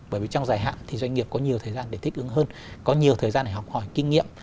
bởi vì trong dài hạn thì doanh nghiệp có nhiều thời gian để thích ứng hơn có nhiều thời gian để học hỏi kinh nghiệm